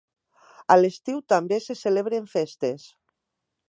A l'estiu també se celebren festes.